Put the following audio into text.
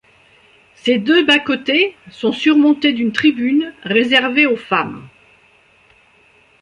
Ses deux bas-côtés sont surmontés d’une tribune réservée aux femmes.